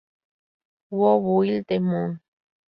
Who Built the Moon?